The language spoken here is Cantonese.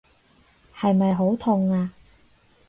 係咪好痛啊？